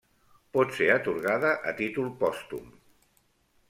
Pot ser atorgada a títol pòstum.